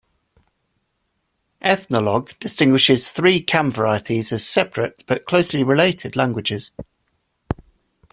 "Ethnologue" distinguishes three Kam varieties as separate but closely related languages.